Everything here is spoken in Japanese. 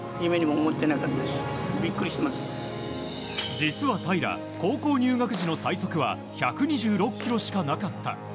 実は平良、高校入学時の最速は１２６キロしかなかった。